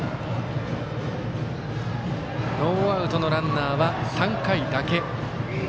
ノーアウトのランナーは３回だけ。